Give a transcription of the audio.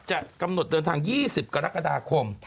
จะกำหนดเดินทาง๒๐กรกฎาคม